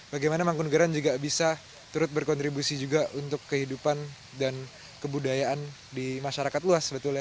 bagaimana mangkunegara juga bisa terus berkontribusi juga untuk kehidupan dan kebudayaan di masyarakat luas